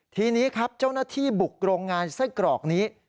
ทีนี้ครับเจ้าหน้าที่บุกโรงงานไส้กรอกนี้